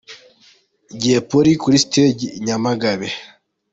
Jay polly kuri stage i Nyamagabe.